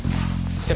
先輩。